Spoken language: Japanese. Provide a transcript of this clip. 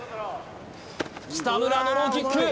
北村のローキック！